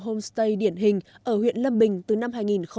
homestay điển hình ở huyện lâm bình từ năm hai nghìn một mươi sáu